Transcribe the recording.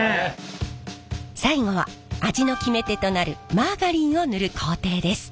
最後は味の決め手となるマーガリンを塗る工程です。